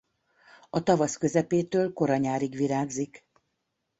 A tavasz közepétől kora nyárig virágzik.